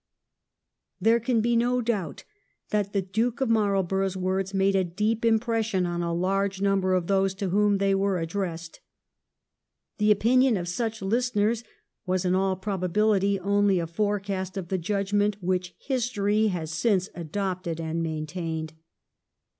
There can be no doubt that the Duke of Marl borough's words made a deep impression on a large number of those to whom they were addressed. The opinion of such listeners was in all probability only a forecast of the judgment which history has since adopted and maintained.